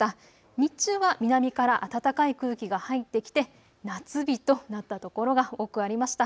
日中は南から暖かい空気が入ってきて夏日となったところが多くありました。